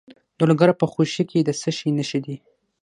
د لوګر په خوشي کې د څه شي نښې دي؟